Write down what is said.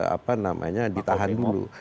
apa namanya ditahan dulu